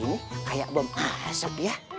ini kayak bom hasep ya